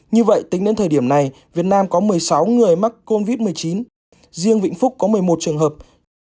như vậy tính đến thời điểm này việt nam có một mươi sáu người mắc covid một mươi chín riêng vĩnh phúc có một mươi một trường hợp